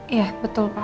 iya betul pak